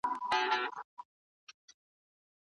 د سرتورو انګولا ده د بګړیو جنازې دي